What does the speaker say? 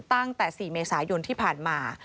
ตั้งแต่๔เมษายนที่ผ่านมา